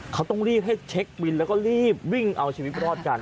เขาต้องรีบให้เช็คบินแล้วก็รีบวิ่งเอาชีวิตรอดกัน